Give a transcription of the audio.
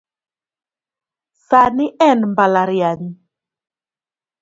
Sani en mbalariany.